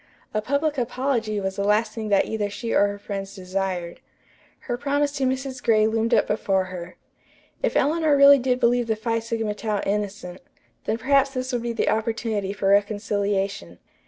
A public apology was the last thing that either she or her friends desired. Her promise to Mrs. Gray loomed up before her. If Eleanor really did believe the Phi Sigma Tau innocent, then perhaps this would be the opportunity for reconciliation.